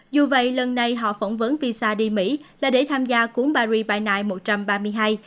dù vậy lần này họ phỏng vấn visa đi mỹ là để tham gia cúng paris by night một trăm ba mươi hai